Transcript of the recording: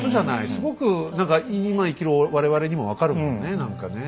すごく何か今生きる我々にも分かるもんね何かね。